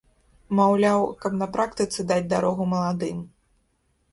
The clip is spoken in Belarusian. Маўляў, каб на практыцы даць дарогу маладым.